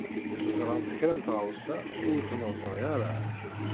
Ẓrant kra n tɣawsa ur tt-neẓri ara.